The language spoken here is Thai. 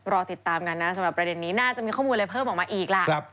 รอติดตามกันนะสำหรับประเด็นนี้น่าจะมีข้อมูลอะไรเพิ่มออกมาอีกล่ะ